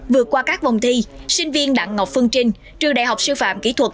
vượt qua các vòng thi sinh viên đặng ngọc phương trinh trường đại học sư phạm kỹ thuật